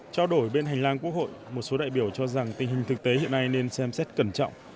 trao đổi bên hành lang quốc hội một số đại biểu cho rằng tình hình thực tế hiện nay nên xem xét cẩn trọng